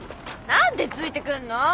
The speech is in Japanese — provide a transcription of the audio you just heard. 何でついてくんの？